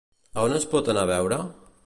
A on es pot anar a veure?